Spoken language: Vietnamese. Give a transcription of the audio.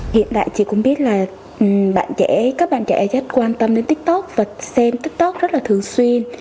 hiện tại chị cũng biết là các bạn trẻ rất quan tâm đến tiktok và xem tiktok rất là thường xuyên